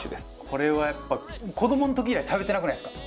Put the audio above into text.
これはやっぱり子どもの時以来食べてなくないですか？